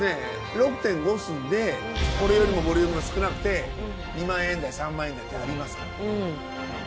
６．５寸でこれよりもボリュームが少なくて２万円台３万円台ってありますから。